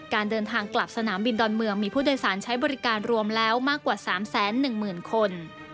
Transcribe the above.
การเดินทางกลับสนามบินดอนเมืองมีผู้โดยสารใช้บริการรวมแล้วมากกว่า๓๑๐๐๐คน